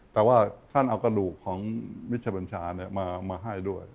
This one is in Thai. แต่ว่าท่านเอากระดูกของมิชบัญชามาให้ด้วย